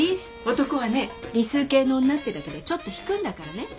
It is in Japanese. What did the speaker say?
男はね理数系の女ってだけでちょっと引くんだからね。